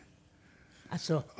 あっそう。